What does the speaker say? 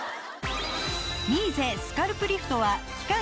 ミーゼスカルプリフトは期間